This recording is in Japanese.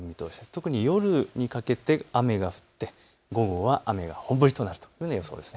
特に夜にかけて雨が降って午後は雨が本降りとなるというふうな予想です。